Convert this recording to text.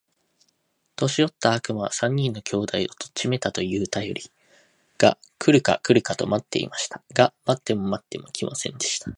年よった悪魔は、三人の兄弟を取っちめたと言うたよりが来るか来るかと待っていました。が待っても待っても来ませんでした。